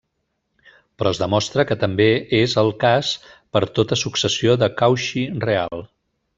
Però es demostra que també és el cas per a tota successió de Cauchy real.